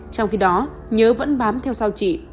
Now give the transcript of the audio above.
trong khi đó nhớ vẫn bám theo sau chị